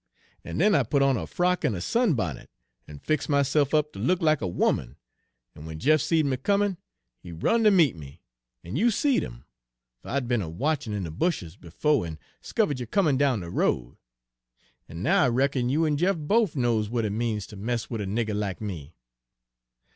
En den I put on a frock en a sun bonnet, en fix' myse'f up ter look lack a 'oman; en w'en Jeff seed me comin', he run ter meet me, en you seed 'im, fer I'd be'n watchin' in de bushes befo' en Page 222 'skivered you comin' down de road. En now I reckon you en Jeff bofe knows w'at it means ter mess wid a nigger lack me.'